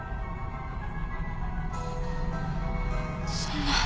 そんな。